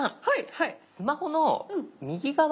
はい。